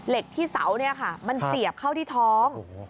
เหล็กที่เสามันเสียบเข้าที่ท้อง